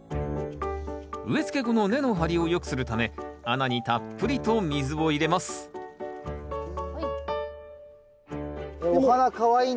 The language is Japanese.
植えつけ後の根の張りをよくするため穴にたっぷりと水を入れますお花かわいいんですけど。